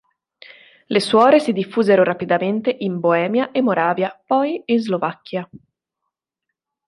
Le suore si diffusero rapidamente in Boemia e Moravia, poi in Slovacchia.